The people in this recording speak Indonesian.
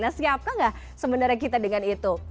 nah siapkah nggak sebenarnya kita dengan itu